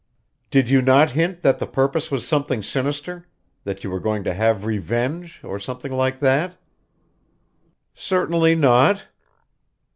"Did you not hint that the purpose was something sinister that you were going to have revenge, or something like that?" "Certainly not."